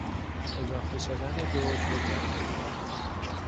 اضافه شدن دو عضو جدید